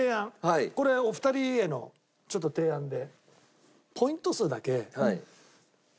これお二人へのちょっと提案で。